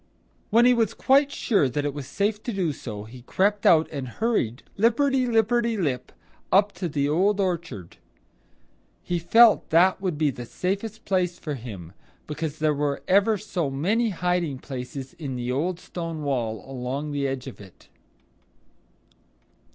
When he was quite sure that it was safe to do so, he crept out and hurried, lipperty lipperty lip, up to the Old Orchard. He felt that that would be the safest place for him, because there were ever so many hiding places in the old stone wall along the edge of it.